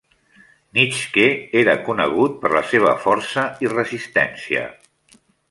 Nitschke era conegut per la seva força i resistència.